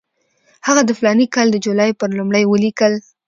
هغه د فلاني کال د جولای پر لومړۍ ولیکل.